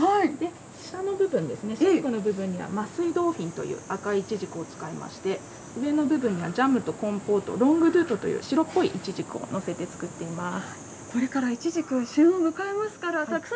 下の部分ですね、シェイクの部分には桝井ドーフィンという赤いイチジクを使いまして、上の部分がジャムとコンポート、ロングドゥートというイチジクを載せて作っています。